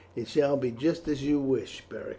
"It shall be just as you wish, Beric."